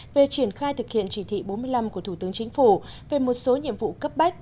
về triển khai thực hiện chỉ thị bốn mươi năm của thủ tướng chính phủ về một số nhiệm vụ cấp bách